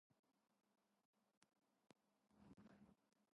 Stepper Motor Control of a stepper motor.